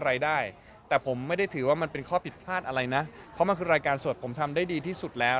รายได้แต่ผมไม่ได้ถือว่ามันเป็นข้อผิดพลาดอะไรนะเพราะมันคือรายการสดผมทำได้ดีที่สุดแล้ว